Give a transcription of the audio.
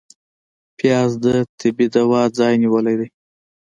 پیاز د طبعي دوا ځای نیولی دی